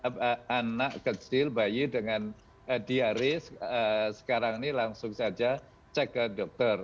karena anak kecil bayi dengan diaris sekarang ini langsung saja cek ke dokter